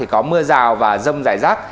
có mưa rào và rông dài rác